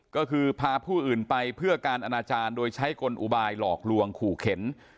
ก็คือพาผู้อื่นไปเพื่อการอนาจารย์โดยใช้กลอุบายหลอกลวงขู่เข็น